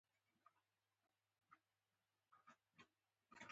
صبر په بېلابېلو ځایونو کې مخې ته راځي.